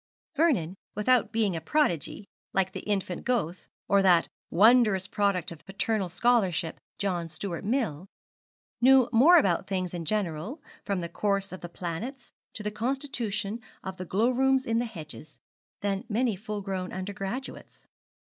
Vernon, without being a prodigy, like the infant Goethe, or that wondrous product of paternal scholarship, John Stuart Mill, knew more about things in general, from the course of the planets to the constitution of the glowworms in the hedges, than many full grown undergraduates.